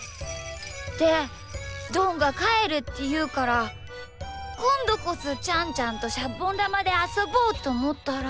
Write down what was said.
でどんがかえるっていうからこんどこそちゃんちゃんとシャボンだまであそぼうとおもったら。